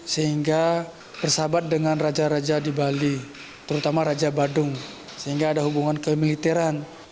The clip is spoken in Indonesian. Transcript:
sehingga bersahabat dengan raja raja di bali terutama raja badung sehingga ada hubungan kemiliteran